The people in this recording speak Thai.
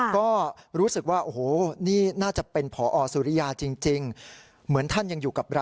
ก็รู้สึกว่าโอ้โหนี่น่าจะเป็นพอสุริยาจริงเหมือนท่านยังอยู่กับเรา